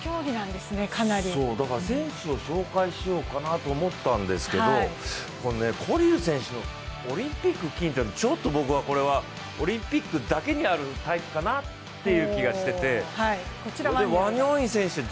選手を紹介しようかなと思ったんですけど、コリル選手、オリンピック金というのはちょっと僕は、オリンピックだけにあるタイプかなという気がしていてワニョンイ選手